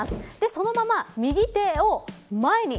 そのまま右手を前に。